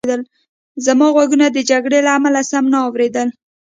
زما غوږونو د جګړې له امله سم نه اورېدل